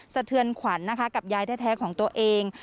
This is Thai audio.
สะเทือนขวัญนะคะกับยายแท้ของตัวเอง